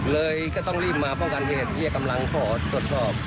เลยก็ต้องรีบมาป้องกันเหตุที่กำลังขอตรวจสอบ